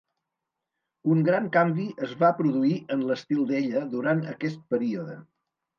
Un gran canvi es va produir en l'estil d'Ella durant aquest període.